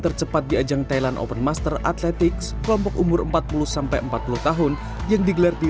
tercepat di ajang thailand open master atletiks kelompok umur empat puluh empat puluh tahun yang digelar di